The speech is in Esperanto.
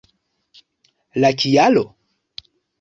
La kialo?